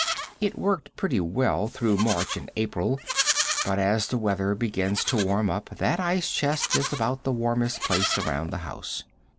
It worked pretty well through March and April, but as the weather begins to warm up that ice chest is about the warmest place around the house.